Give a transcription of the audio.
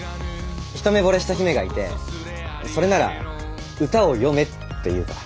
一目惚れした姫がいてそれなら歌を詠めって言うから。